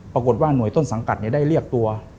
ปรากฏว่าหน่วยต้นสังกัดได้เรียกตัว